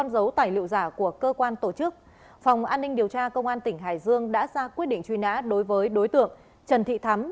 điều giả của cơ quan tổ chức phòng an ninh điều tra công an tỉnh hải dương đã ra quyết định truy nã đối với đối tượng trần thị thắm